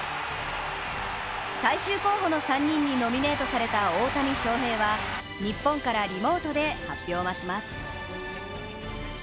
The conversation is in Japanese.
最終候補の３人にノミネートされた大谷翔平は日本からリモートで発表を待ちます。